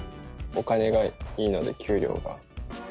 お金がいいので、給料が。